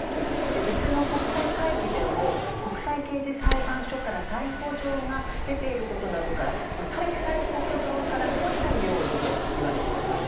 別の国際会議でも国際刑事裁判所から逮捕状が出ていることなどから開催国側から来ないようにと言われてしまった。